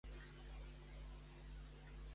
Era capaç de travessar escorrancs, en Quimet?